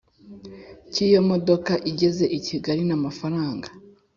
cy iyo modoka igeze i Kigali n amafaranga